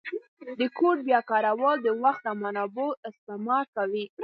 د کوډ بیا کارول د وخت او منابعو سپما کوي.